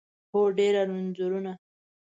هو، ډیر انځورونه